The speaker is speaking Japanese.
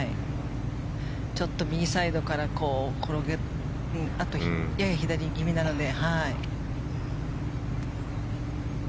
ちょっと右サイドから転がってやや左気味なので。